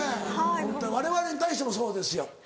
ホントにわれわれに対してもそうですよ。